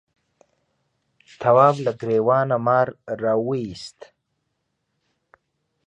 تواب له گرېوانه مار راوایست.